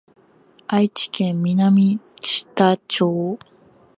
愛知県南知多町